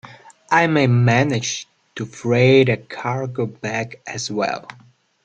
I may manage to freight a cargo back as well.